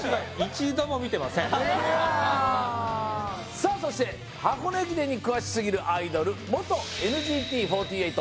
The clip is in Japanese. さあそして箱根駅伝に詳しすぎるアイドル元ＮＧＴ４８